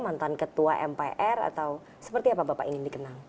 mantan ketua mpr atau seperti apa bapak ingin dikenal